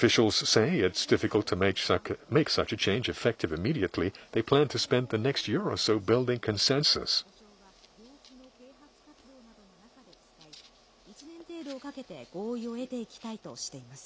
正式な変更はすぐには難しいことから、呼称は病気の啓発活動などの中で使い、１年程度をかけて合意を得ていきたいとしています。